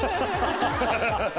「ハハハハ」